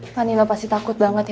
vanila pasti takut banget ya